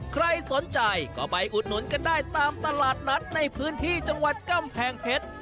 ใครสนใจก็ไปอุดหนุนกันได้ตามตลาดนัดในพื้นที่จังหวัดกำแพงเพชร